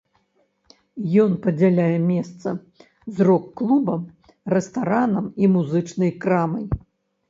Ён падзяляе месца з рок-клубам, рэстаранам і музычнай крамай.